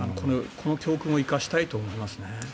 この教訓を生かしたいと思いますね。